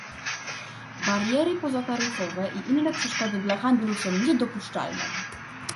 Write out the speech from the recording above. Bariery pozataryfowe i inne przeszkody dla handlu są niedopuszczalne